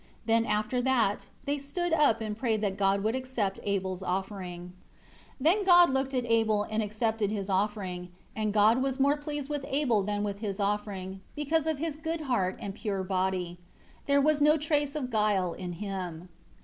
Then after that, they stood up and prayed that God would accept Abel's offering. 5 Then God looked at Abel and accepted his offering. And God was more pleased with Abel than with his offering, because of his good heart and pure body. There was no trace of guile in him.